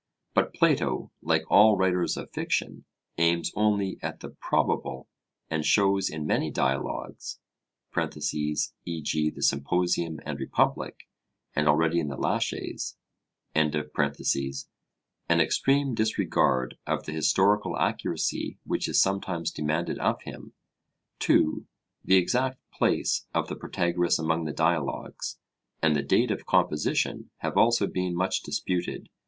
But Plato, like all writers of fiction, aims only at the probable, and shows in many Dialogues (e.g. the Symposium and Republic, and already in the Laches) an extreme disregard of the historical accuracy which is sometimes demanded of him. (2) The exact place of the Protagoras among the Dialogues, and the date of composition, have also been much disputed.